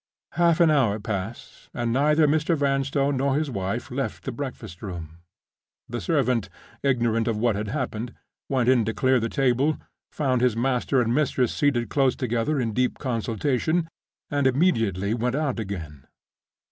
Half an hour passed, and neither Mr. Vanstone nor his wife left the breakfast room. The servant, ignorant of what had happened, went in to clear the table—found his master and mistress seated close together in deep consultation—and immediately went out again.